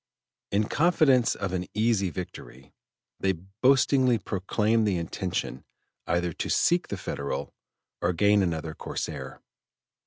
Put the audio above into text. In confidence of an easy victory, they boastingly proclaimed the intention either to sink the Federal or gain another corsair.